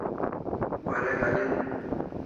Warek al'in